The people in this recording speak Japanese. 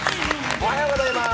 おはようございます。